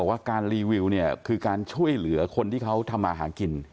ว่าการรีวิวเนี่ยคือการช่วยเหลือคนที่เขาทำมาหากิน